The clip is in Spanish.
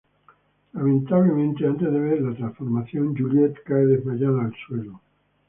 Lamentablemente antes de ver la transformación Juliette cae desmayada al suelo.